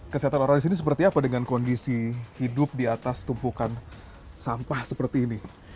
kesehatan orang di sini seperti apa dengan kondisi hidup di atas tumpukan sampah seperti ini